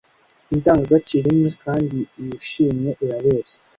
indangagaciro imwe kandi yishimye irabeshya